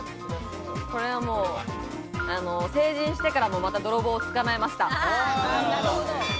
これはもう成人してからもまた泥棒を捕まえました。